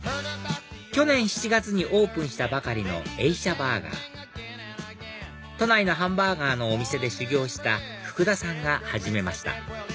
去年７月にオープンしたばかりのＥｉｓｈａＢｕｒｇｅｒ都内のハンバーガーのお店で修業した福田さんが始めました